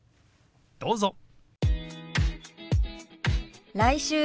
どうぞ。